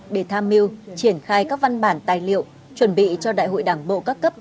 để tham mưu triển khai các văn bản tài liệu chuẩn bị cho đại hội đảng bộ các cấp